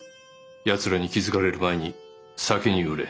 ヤツらに気付かれる前に先に売れ。